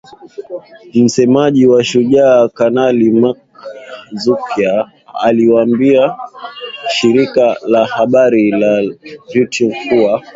Msemaji wa Shujaa Kanali Mak Hazukay aliliambia shirika la habari la reuters kuwa